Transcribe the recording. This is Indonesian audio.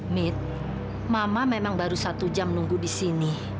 mit mama memang baru satu jam nunggu di sini